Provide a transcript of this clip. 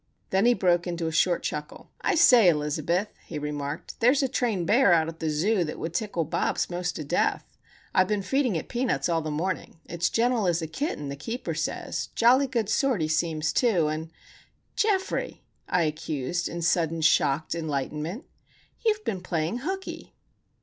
Then he broke into a short chuckle. "I say, Elizabeth," he remarked, "there's a trained bear out at the zoo that would tickle Bobs most to death. I've been feeding it peanuts all the morning. It's gentle as a kitten, the keeper says,—jolly good sort he seems, too,—and——" "Geoffrey!" I accused, in sudden shocked enlightenment. "You have been playing hookey."